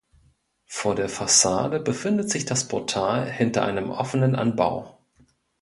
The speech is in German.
Vor der Fassade befindet sich das Portal hinter einem offenen Anbau.